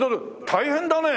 大変だね！